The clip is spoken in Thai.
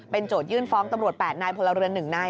โจทยื่นฟ้องตำรวจ๘นายพลเรือน๑นาย